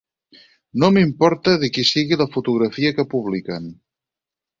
No m'importa de qui sigui la fotografia que publiquen.